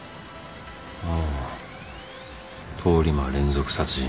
ああ通り魔連続殺人の